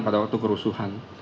pada waktu kerusuhan